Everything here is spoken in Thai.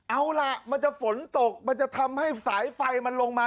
เอาล่ะมันจะฝนตกมันจะทำให้สายไฟมันลงมา